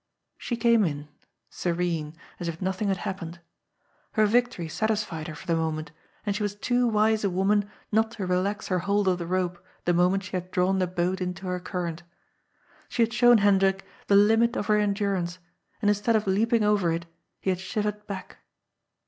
She came in, serene, as if nothing had happened. Her 202 GOD'S FOOL. victory satisfied her for the moment, and she was too wise a woman not to relax her hold of the rope, the moment she had drawn the boat into her current. She had shown Hen drik the limit of her endurance, and instead of leaping over it, he had shivered back.